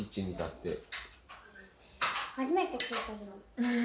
初めて聞いたけど。